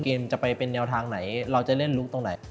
เกมจะไปเป็นแนวทางไหนเราจะเล่นลุคตรงไหน